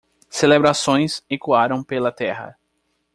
Celebrações ecoaram pela terra.